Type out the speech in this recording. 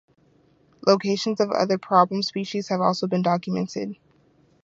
Locations of other problem species have also been documented.